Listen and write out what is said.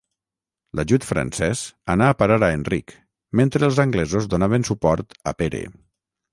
L'ajut francès anà a parar a Enric mentre els anglesos donaven suport a Pere.